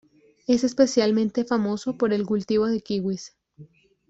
Es especialmente famoso por el cultivo de kiwis.